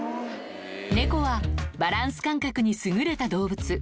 猫は、バランス感覚に優れた動物。